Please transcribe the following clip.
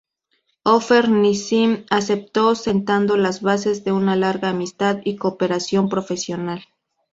Offer Nissim aceptó, sentando las bases de una larga amistad y cooperación profesional.